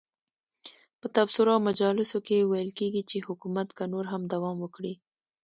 په تبصرو او مجالسو کې ویل کېږي چې حکومت که نور هم دوام وکړي.